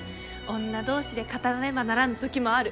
女同士で語らねばならぬ時もある。